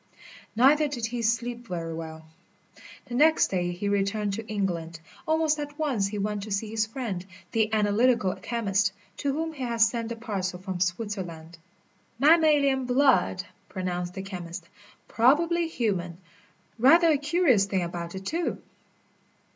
Neither did he sleep very well. The next day he returned to England. Almost at once he went to see his friend, the analytical chemist, to whom he had sent the parcel from Switzerland. "Mammalian blood," pronounced the chemist, "probably human rather a curious thing about it, too."